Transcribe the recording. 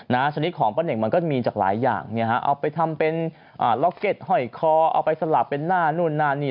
มันก็มีจากหลายอย่างเอาไปทำเป็นล็อกเก็ตห้อยคอเอาไปสลับเป็นหน้านู่นหน้านี่